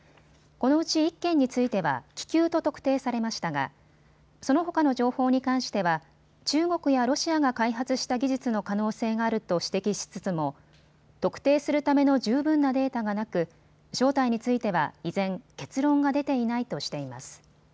このうち１件については気球と特定されましたがそのほかの情報に関しては中国やロシアが開発した技術の可能性があると指摘しつつも特定するための十分なデータがなく正体については依然、結論が出ていないとしています。